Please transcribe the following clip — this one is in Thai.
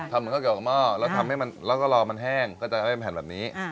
ทำเหมือนเขาเก็บกับหม้อแล้วทำให้มันแล้วก็รอมันแห้งก็จะให้มันแผ่นแบบนี้